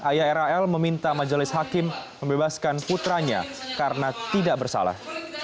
ayah ral meminta majelis hakim membebaskan putranya karena tidak bersalah